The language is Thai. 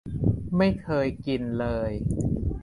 ไม่เคยกินเลย